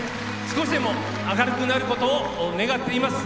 少しでも明るくなることを願っています。